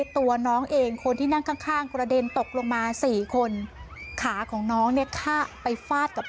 ตัวน้องเองคนที่นั่งข้างข้างกระเด็นตกลงมาสี่คนขาของน้องเนี่ยไปฟาดกับ